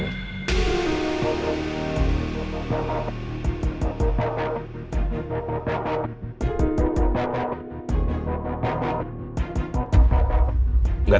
jadi apa ini juga